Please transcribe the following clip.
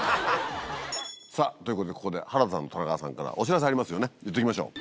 さぁということでここで原田さんと田中さんからお知らせありますよねいっときましょう。